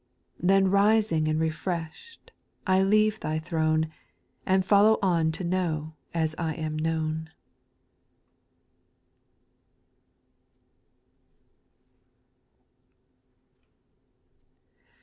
Then rising and refreshed, I leave thy throne, And follow on to know as I am known.